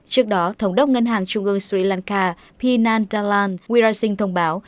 trước đó thống đốc ngân hàng trung ương sri lanka p nandalan wirasing thông báo